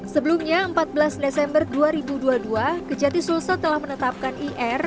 sebelumnya empat belas desember dua ribu dua puluh dua kejati sulsel telah menetapkan ir